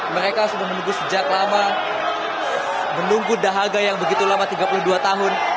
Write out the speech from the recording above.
mereka sudah menunggu sejak lama menunggu dahaga yang begitu lama tiga puluh dua tahun